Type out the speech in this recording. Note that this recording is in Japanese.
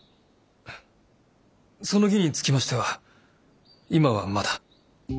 その儀につきましては今はまだ。